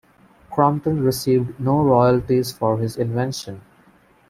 Crompton received no royalties for his invention.